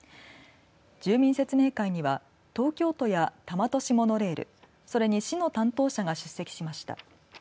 住民説明会には東京都や多摩都市モノレールそれに市の担当者が出席しました。